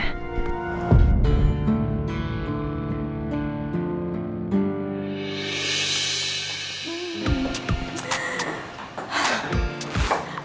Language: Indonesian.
terima kasih mak